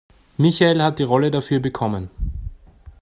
Michael hat die Rolle dafür bekommen.